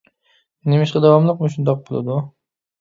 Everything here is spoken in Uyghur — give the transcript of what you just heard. نېمىشقا داۋاملىق مۇشۇنداق بولىدۇ؟